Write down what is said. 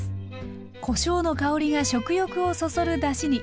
こしょうの香りが食欲をそそるだしに。